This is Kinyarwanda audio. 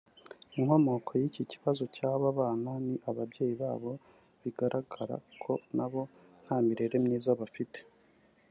Inkomoko y’iki kibazo cy’aba bana ni ababyeyi babo bigaragara ko nabo nta mibereho myiza bafite